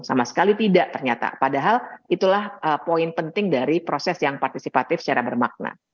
sama sekali tidak ternyata padahal itulah poin penting dari proses yang partisipatif secara bermakna